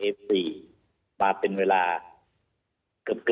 และก็สปอร์ตเรียนว่าคำน่าจะมีการล็อคกรมการสังขัดสปอร์ตเรื่องหน้าในวงการกีฬาประกอบสนับไทย